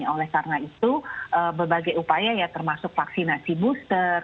oleh karena itu berbagai upaya ya termasuk vaksinasi booster